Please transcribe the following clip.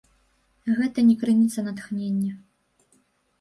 Гэта не крыніца натхнення.